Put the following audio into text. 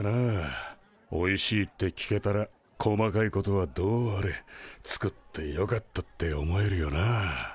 おいしいって聞けたら細かいことはどうあれ作ってよかったって思えるよな。